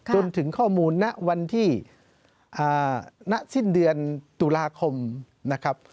จนถึงข้อมูลณวันที่ณสิ้นเดือนตุลาคมนะครับ